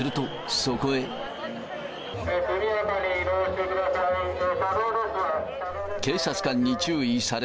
速やかに移動してください。